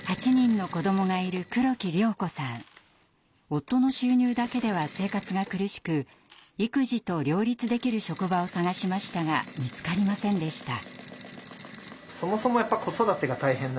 夫の収入だけでは生活が苦しく育児と両立できる職場を探しましたが見つかりませんでした。